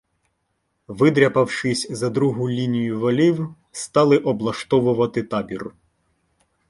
Видряпавшись за другу лінію валів, стали облаштовувати табір.